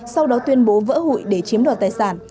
sau đó tuyên bố vỡ hụi để chiếm đoạt tài sản